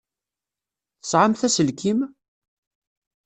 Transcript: Tesεamt aselkim?